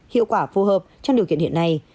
hiệu quả phù hợp trong điều kiện hiện nay